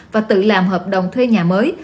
và tự làm hợp đồng thuê nhà mới